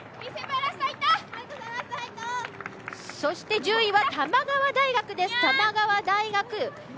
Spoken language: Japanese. そして１０位は玉川大学です。